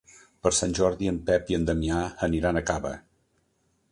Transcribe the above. Per Sant Jordi en Pep i en Damià aniran a Cava.